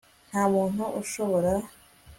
nta muntu ushobora